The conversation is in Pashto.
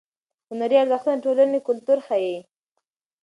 هنري ارزښتونه د ټولنې کلتور ښیي.